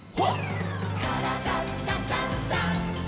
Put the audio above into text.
「からだダンダンダン」